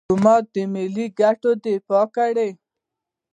ډيپلومات د ملي ګټو دفاع کوي.